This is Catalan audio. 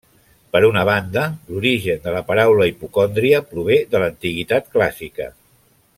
Per una banda, l'origen de la paraula hipocondria prové de l'antiguitat clàssica.